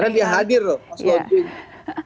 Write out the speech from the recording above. karena dia hadir loh pas launching